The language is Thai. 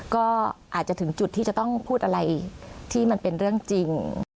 ก็อาจจะถึงจุดที่จะต้องพูดอะไรที่มันเป็นเรื่องจริง